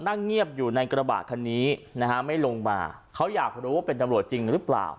นั่งเงียบอยู่ในกระบะคันนี้นะฮะไม่ลงมาเขาอยากรู้ว่าเป็นตำรวจจริงหรือเปล่า